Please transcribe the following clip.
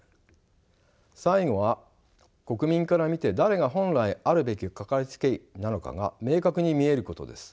最後は国民から見て誰が本来あるべきかかりつけ医なのかが明確に見えることです。